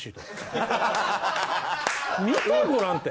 見てごらんって。